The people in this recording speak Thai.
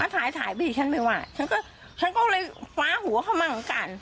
ถ่ายไปฉันไม่ว่าฉันก็เลยฟ้าหัวเขามั่งกัน